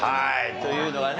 というのがね